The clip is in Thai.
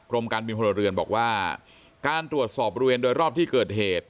การบินพลเรือนบอกว่าการตรวจสอบบริเวณโดยรอบที่เกิดเหตุ